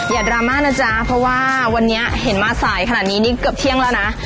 ดราม่านะจ๊ะเพราะว่าวันนี้เห็นมาสายขนาดนี้นี่เกือบเที่ยงแล้วนะ